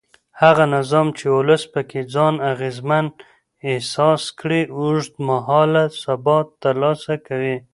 هغه نظام چې ولس پکې ځان اغېزمن احساس کړي اوږد مهاله ثبات ترلاسه کوي